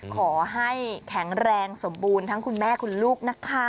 ขอให้แข็งแรงสมบูรณ์ทั้งคุณแม่คุณลูกนะคะ